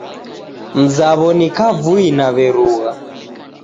Mzaw'o ni kavui na w'erugha